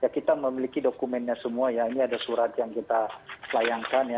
kita memiliki dokumennya semua ya ini ada surat yang kita layangkan ya